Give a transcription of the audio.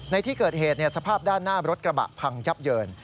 ในที่เกิดเหตุสภาพด้านหน้ารถกระบะพังยับเยิน